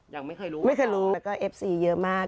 ยังไม่เคยรู้ไม่เคยรู้แต่ก็เอฟซีเยอะมาก